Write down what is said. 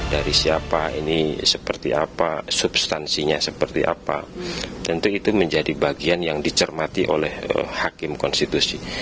dari siapa ini seperti apa substansinya seperti apa tentu itu menjadi bagian yang dicermati oleh hakim konstitusi